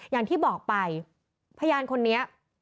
อย่างที่บอกไปพยานคนนี้